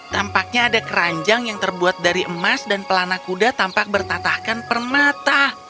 tampaknya ada keranjang yang terbuat dari emas dan pelana kuda tampak bertatahkan permata